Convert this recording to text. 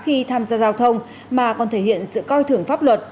khi tham gia giao thông mà còn thể hiện sự coi thưởng pháp luật